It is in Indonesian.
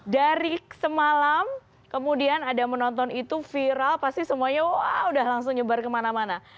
dari semalam kemudian ada yang menonton itu viral pasti semuanya wah udah langsung nyebar kemana mana